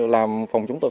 làm phòng chúng tôi